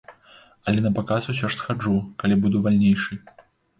Але на паказ ўсё ж схаджу, калі буду вальнейшы.